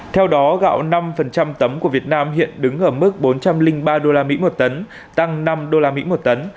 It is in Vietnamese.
theo đó gạo năm tấm của việt nam hiện đứng ở mức bốn trăm linh ba usd một tấn tăng năm usd một tấn